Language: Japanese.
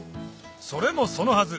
それもそのはず